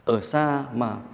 ở xa mà